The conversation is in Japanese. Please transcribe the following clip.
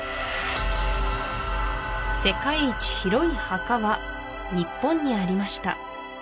広い墓は日本にありました